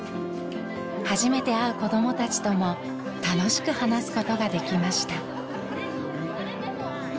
初めて会う子どもたちとも楽しく話すことができました。